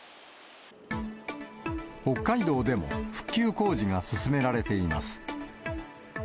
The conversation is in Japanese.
北海道でも、復旧工事が進められています。